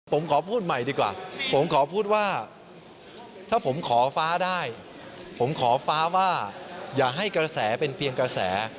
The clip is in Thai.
ผมขอพูดใหม่ดีกว่าผมขอพูดว่าถ้าผมขอฟ้าได้ผมขอฟ้าว่าอย่าให้กระแสเป็นเพียงกระแส